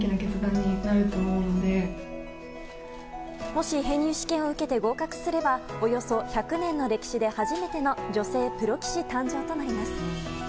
もし編入試験を受けて合格すればおよそ１００年の歴史で初めての女性プロ棋士誕生となります。